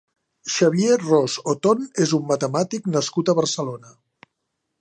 Xavier Ros-Oton és un matemàtic nascut a Barcelona.